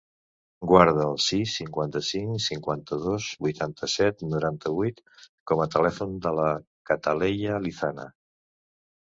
Guarda el sis, cinquanta-cinc, cinquanta-dos, vuitanta-set, noranta-vuit com a telèfon de la Cataleya Lizana.